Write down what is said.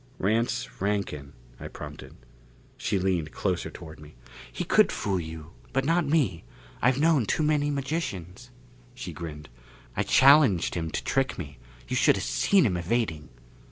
"Rance Rankin " I prompted. She leaned closer toward me. "He could fool you. But not me I've known too many magicians." She grinned. "I challenged him to trick me. You should have seen him evading!"